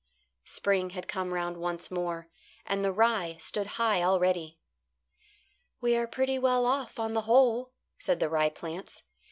Spring had come round once more, and the rye stood high already. "We are pretty well off on the whole," said the rye plants.